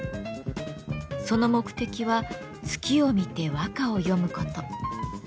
その目的は月を見て和歌を詠むこと。